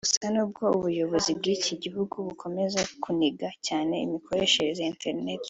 Gusa n’ubwo ubuyobozi bw’iki gihugu bukomeza kuniga cyane imikoreshereze ya internet